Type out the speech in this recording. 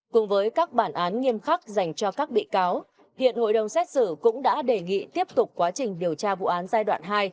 cùng với các bản án nghiêm khắc dành cho các bị cáo hiện hội đồng xét xử cũng đã đề nghị tiếp tục quá trình điều tra vụ án giai đoạn hai